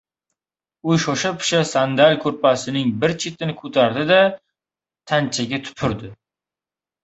U shosha-pisha sandal ko‘rpasining bir chetini ko‘tardi-da, tanchaga tupurdi.